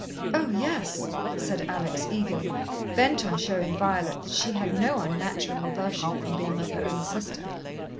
"Oh, yes," said Alex eagerly, bent on showing Violet that she had no unnatural aversion from being with her own sister.